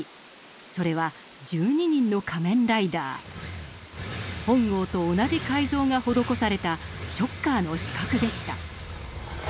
それは本郷と同じ改造が施されたショッカーの刺客でした。